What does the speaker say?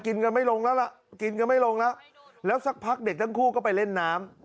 กินกันไม่ลงแล้วล่ะกินกันไม่ลงแล้วแล้วสักพักเด็กทั้งคู่ก็ไปเล่นน้ำ